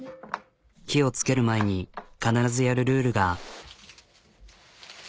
火をつける前に必ずやるルールが。